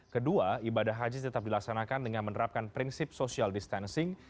kedua ibadah haji tetap dilaksanakan dengan menerapkan prinsip social distancing